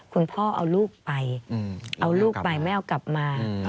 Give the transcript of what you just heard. คุณพ่อเอาลูกไปเอาลูกไปไม่เอากลับมา